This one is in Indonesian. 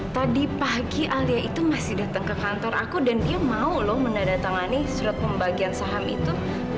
tadi pagi alia itu masih datang ke kantor aku dan dia mau loh menandatangani surat pembagian saham itu